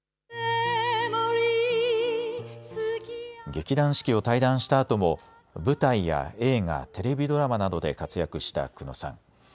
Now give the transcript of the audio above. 劇団四季を退団したあとも舞台や映画、テレビドラマなどで活躍した久野さん。